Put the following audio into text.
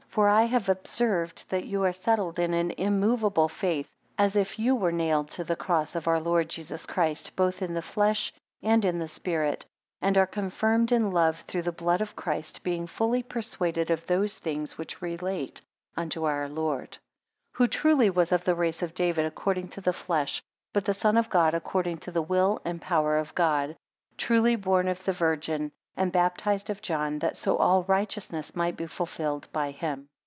3 For I have observed that you are settled in an immoveable faith, as if you were nailed to the cross of our Lord Jesus Christ, both in the flesh and in the spirit; and are confirmed in love through the blood of Christ; being fully persuaded of those things which relate unto our Lord. 4 Who truly was of the race of David according to the flesh, but the Son of God according to the will and power of God; truly born of the Virgin, and baptised of John; that so all righteousness might be fulfilled by him.